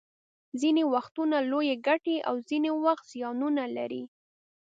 ځینې وختونه لویې ګټې او ځینې وخت زیانونه لري